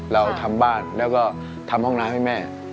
เราทำบ้านแล้วก็ทำห้องน้ำให้แม่